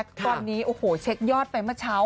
ตอนนี้โอ้โหเช็คยอดไปเมื่อเช้า